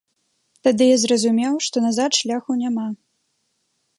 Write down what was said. Тады я зразумеў, што назад шляху няма.